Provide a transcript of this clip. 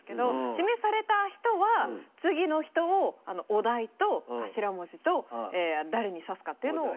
指名された人は次の人をお題と頭文字と誰に指すかっていうのを。